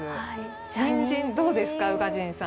にんじんどうですか、宇賀神さん？